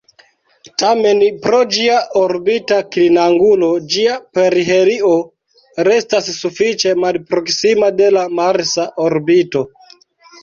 Tamen, pro ĝia orbita klinangulo, ĝia perihelio restas sufiĉe malproksima de la marsa orbito.